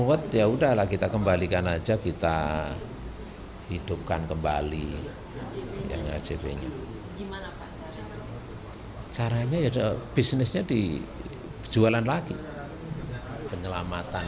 ojk menjelaskan bahwa penyelamatan bumi putra akan menjadi proses penyelamatan